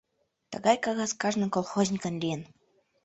— Тыгай кагаз кажне колхозникын лийын.